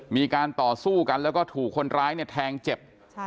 มีการต่อสู้กันแล้วก็ถูกคนร้ายเนี่ยแทงเจ็บ